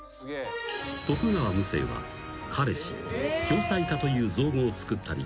［徳川夢声は「彼氏」「恐妻家」という造語をつくったり］